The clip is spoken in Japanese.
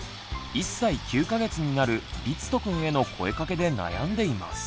１歳９か月になるりつとくんへの声かけで悩んでいます。